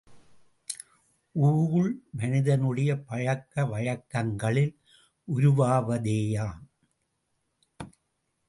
ஊழ் மனிதனுடைய பழக்க வழக்கங்களில் உருவாவதேயாம்!